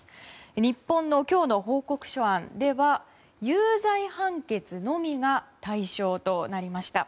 日本の今日の報告書案では有罪判決のみが対象となりました。